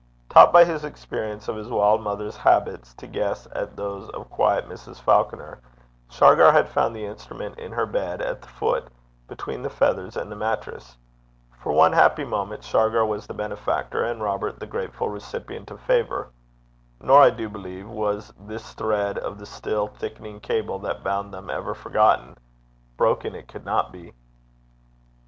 Taught by his experience of his wild mother's habits to guess at those of douce Mrs. Falconer, Shargar had found the instrument in her bed at the foot, between the feathers and the mattress. For one happy moment Shargar was the benefactor, and Robert the grateful recipient of favour. Nor, I do believe, was this thread of the still thickening cable that bound them ever forgotten: broken it could not be.